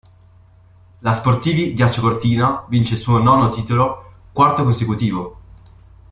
La Sportivi Ghiaccio Cortina vince il suo nono titolo, quarto consecutivo.